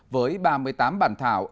với ba mươi tám bản thảo